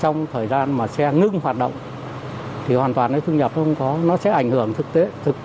trong thời gian mà xe ngưng hoạt động thì hoàn toàn cái thu nhập không có nó sẽ ảnh hưởng thực tế